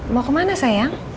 mau kemana sayang